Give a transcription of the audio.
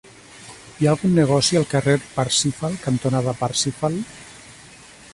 Hi ha algun negoci al carrer Parsifal cantonada Parsifal?